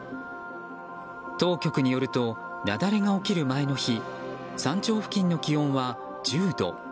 当局によると雪崩が起きる前の日山頂付近の気温は１０度。